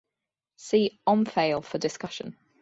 See Omphale for discussion.